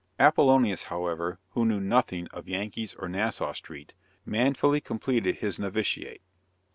Apollonius however, who knew nothing of Yankees or Nassau street, manfully completed his novitiate.